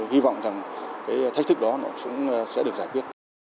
hy vọng rằng cái thách thức đó nó cũng sẽ được giải quyết